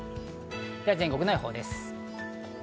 では全国の予報です。